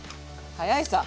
早いさ。